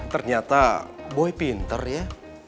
ternyata boy pinter ya